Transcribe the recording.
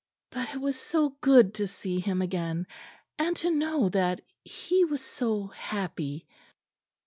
But it was so good to see him again; and to know that he was so happy."